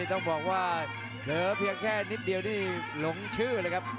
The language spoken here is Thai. ต้องบอกว่าเหลือเพียงแค่นิดเดียวที่หลงชื่อเลยครับ